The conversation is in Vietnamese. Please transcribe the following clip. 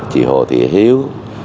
chị hồ thị hiếu